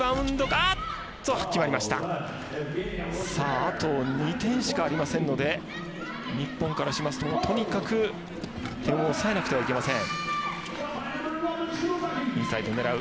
あと２点しかありませんので日本からしますととにかく点を抑えなくてはいけません。